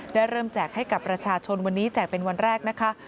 เริ่มแจกให้กับประชาชนวันนี้แจกเป็นวันแรกนะคะ